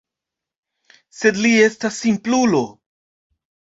Sed li estas simplulo.